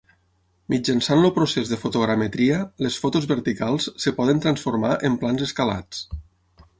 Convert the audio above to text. Mitjançant el procés de fotogrametria, les fotos verticals es poden transformar en plans escalats.